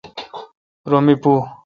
رو می پو۔